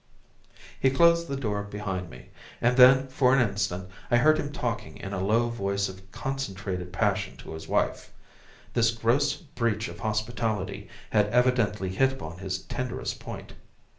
He closed the door behind me, and then, for an instant, I heard him talking in a low voice of concentrated passion to his wife. This gross breach of hospitality had evidently hit upon his tenderest point.